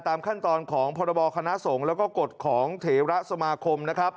ตามขั้นตอนของพรบคณะสงฆ์แล้วก็กฎของเถระสมาคมนะครับ